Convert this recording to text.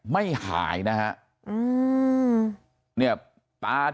ไม่หายนะฮะ